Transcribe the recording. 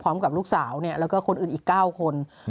พร้อมกับลูกสาวแล้วก็คนอื่นอีก๙คน